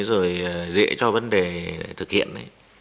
rồi dễ cho vấn đề thực hiện